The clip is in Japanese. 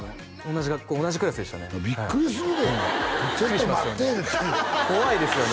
同じ学校同じクラスでしたねビックリするでちょっと待って怖いですよね